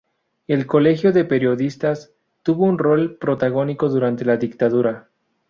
El Colegio de Periodistas tuvo un rol protagónico durante la dictadura.